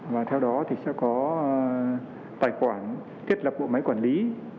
và theo đó thì sẽ có tài khoản thiết lập bộ máy quản lý